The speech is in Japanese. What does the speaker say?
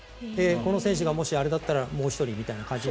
この選手がもしあれだったらもう１人みたいな感じで。